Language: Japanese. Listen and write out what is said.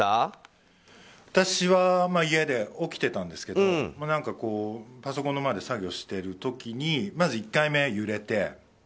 私は家で起きていたんですけどパソコンの前で作業している時にまず１回目、揺れて。